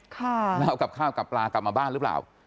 แล้วเอากับข้าวกับปลากลับมาบ้านหรือเปล่า